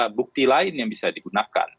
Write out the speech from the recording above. ada bukti lain yang bisa digunakan